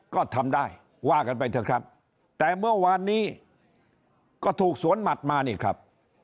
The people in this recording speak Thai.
ก็ทำได้ว่ากันไปเถอะครับแต่เมื่อวานนี้ก็ถูกสวนหมัดมานี่ครับ